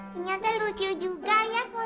ternyata lucu juga ya kok